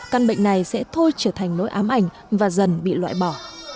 căn bệnh này sẽ thôi trở thành nỗi ám ảnh và dần bị loại bỏ